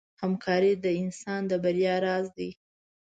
همکاري د انسان د بریا راز دی.